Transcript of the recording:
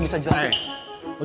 bisa ikut campur